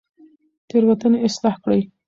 تېروتنې اصلاح کړئ.